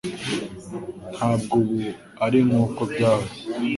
Ntabwo ubu ari nkuko byahoze; -